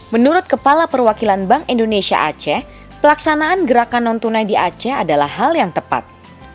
menurut kepala perwakilan bank indonesia aceh pelaksanaan gerakan non tunai di aceh adalah hal yang tepat